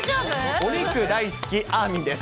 お肉大好き、あーみんです。